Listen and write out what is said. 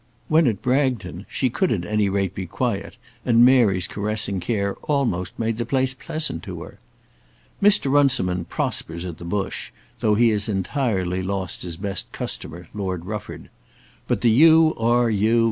When at Bragton she could at any rate be quiet, and Mary's caressing care almost made the place pleasant to her. Mr. Runciman prospers at the Bush, though he has entirely lost his best customer, Lord Rufford. But the U. R. U.